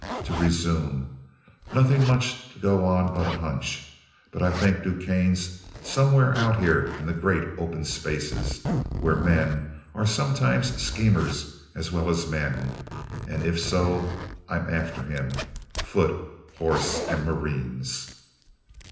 To resume nothing much to go on but a hunch, but I think DuQuesne's somewhere out here in the great open spaces, where men are sometimes schemers as well as men; and if so, I'm after him foot, horse, and marines."